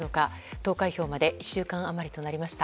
投開票まで１週間余りとなりました。